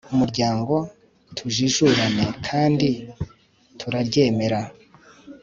Umuryango TUJIJURANE kandi turaryemera